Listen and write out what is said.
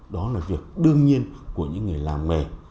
đó là việc đương nhiên của những người làm nghề